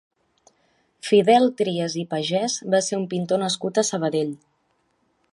Fidel Trias i Pagès va ser un pintor nascut a Sabadell.